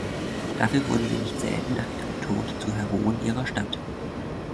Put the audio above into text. Dafür wurden sie nicht selten nach ihrem Tod zu Heroen ihrer Stadt.